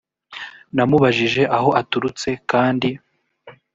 namubajije aho aturutse kandi